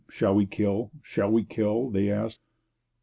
'Shall we kill? Shall we kill?' they asked.